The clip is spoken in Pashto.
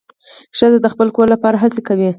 ښځه د خپل کورنۍ لپاره هڅې کوي.